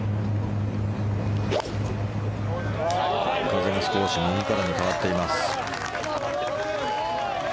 風も少し右からに変わっています。